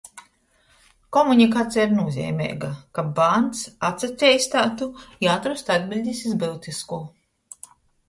Komunikaceja ir nūzeimeiga, kab bārns atsateisteitu i atrostu atbiļdis iz byutiskū.